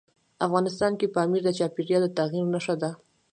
افغانستان کې پامیر د چاپېریال د تغیر نښه ده.